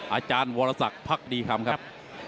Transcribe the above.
อาจารย์วรสักพักดีคำครับ